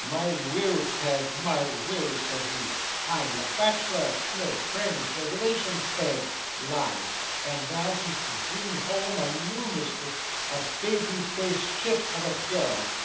"My will, Peg! my will!" says he: "I'm a bachelor no friends no relations, Peg." Lies! And now he's to bring home a new mistress, a baby faced chit of a girl!